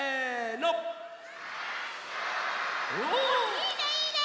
いいねいいね！